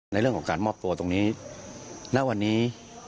ในเรื่องของการมอบตัวตรงนี้ณวันนี้